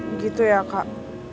begitu ya kak